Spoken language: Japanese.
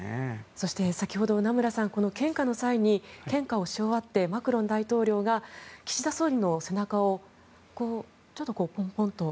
そして先ほど名村さん献花の際に献花をし終わってマクロン大統領が岸田総理の背中をちょっと、ポンポンと。